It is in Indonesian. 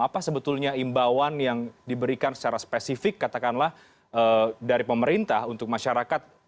apa sebetulnya imbauan yang diberikan secara spesifik katakanlah dari pemerintah untuk masyarakat